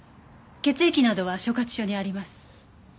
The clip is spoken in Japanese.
血液などは所轄署にあります。